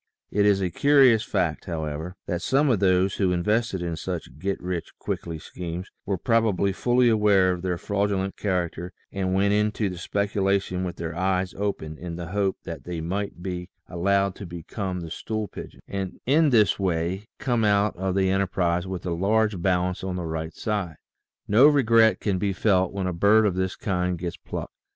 It is a curious fact, however, that some of those who invested in such "get rich quickly " schemes were probably fully aware of their fraudulent character and went into the speculation with their eyes open in the hope that they might be allowed to become HOW TO BECOME A MILLIONAIRE 167 the stool pigeons, and in this way come out of the enter prise with a large balance on the right side. No regret can be felt when a bird of this kind gets plucked.